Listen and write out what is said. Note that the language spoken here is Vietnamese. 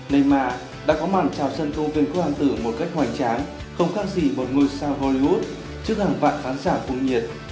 neymar đã có mặt trào sân thung viên quốc hành tử một cách hoành tráng không khác gì một ngôi sao hollywood trước hàng vạn phán giảm cung nhiệt